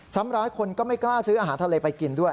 ซ้ำร้ายคนก็ไม่กล้าซื้ออาหารทะเลไปกินด้วย